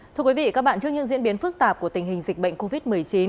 thưa quý vị các bạn trước những diễn biến phức tạp của tình hình dịch bệnh covid một mươi chín